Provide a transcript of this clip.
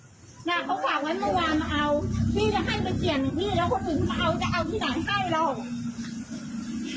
พี่จะให้ไปเปลี่ยนพี่แล้วคนอื่นมาเอาจะเอาที่ถังให้หรอก